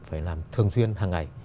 phải làm thường xuyên hàng ngày